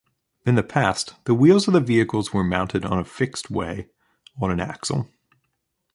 In the past, the wheels of the vehicles were mounted on a fixed way on an axle.